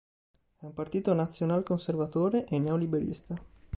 È un partito nazional-conservatore e neoliberista.